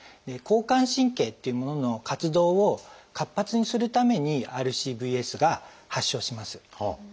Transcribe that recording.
交感神経っていうものの活動を活発にするためにＲＣＶＳが発症します。